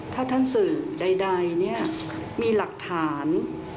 ถ้าท่านสื่อใดเนี่ยมีหลักฐาน